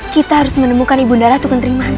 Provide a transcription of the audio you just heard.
kita harus menemukan ibu nda ratu kentering manik